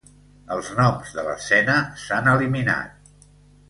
Els noms de l'escena s'han eliminat.